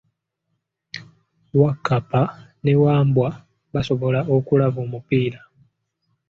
Wakkapa ne Wambwa basobola okulaba omupiira.